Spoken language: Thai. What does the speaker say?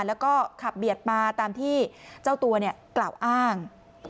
แล้วก็ขับเบียดมาตามที่เจ้าตัวกล่าวอ้าง